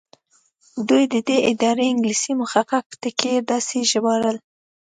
دوی د دې ادارې انګلیسي مخفف ټکي داسې ژباړل.